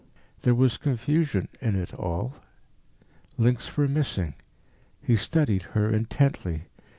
There was confusion in it all; links were missing. He studied her intently.